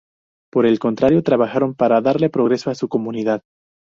Por el contrario, trabajaron para darle progreso a su comunidad.